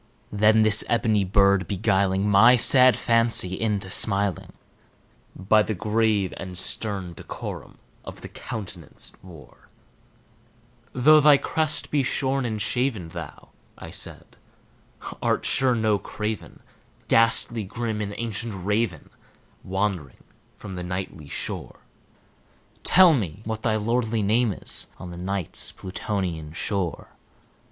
Then this ebony bird beguiling my sad fancy into smiling, By the grave and stern decorum of the countenance it wore, "Though thy crest be shorn and shaven, thou," I said, "art sure no craven, Ghastly grim and ancient Raven wandering from the Nightly shore, Tell me what thy lordly name is on the Night's Plutonian shore!"